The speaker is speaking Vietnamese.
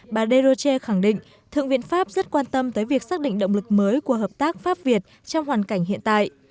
bà drochet khẳng định thượng viện pháp rất quan tâm tới việc xác định động lực mới của hợp tác pháp việt trong hoàn cảnh hiện tại